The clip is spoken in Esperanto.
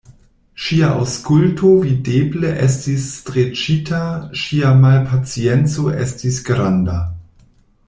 Ŝia aŭskulto videble estis streĉita, ŝia malpacienco estis granda.